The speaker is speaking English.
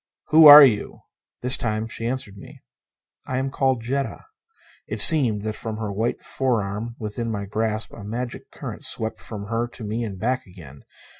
"Who are you?" This time she answered me. "I am called Jetta." It seemed that from her white forearm within my grasp a magic current swept from her to me and back again.